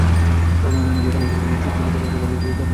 জ্যাঠামশায়কে শচীশ যে কতখানি ভালোবাসিত আমরা তা কল্পনা করিতে পারি না।